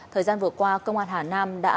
thời gian vừa qua công an hà nam đã